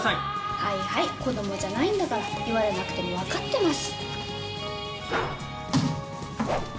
はいはい、子どもじゃないんだから、言われなくても分かってます。